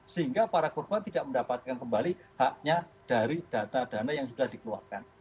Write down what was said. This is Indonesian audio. sehingga para korban tidak mendapatkan kembali haknya dari data dana yang sudah dikeluarkan